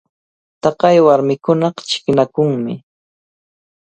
Taqay warmikunaqa chiqninakunmi.